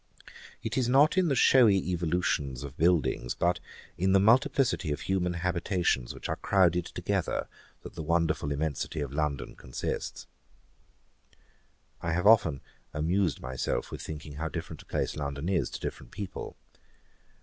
It is not in the showy evolutions of buildings, but in the multiplicity of human habitations which are crouded together, that the wonderful immensity of London consists.' I have often amused myself with thinking how different a place London is to different people.